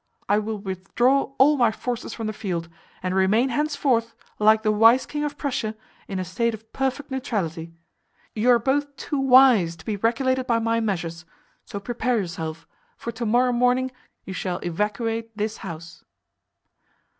I will withdraw all my forces from the field, and remain henceforth, like the wise king of Prussia, in a state of perfect neutrality. You are both too wise to be regulated by my measures; so prepare yourself, for to morrow morning you shall evacuate this house."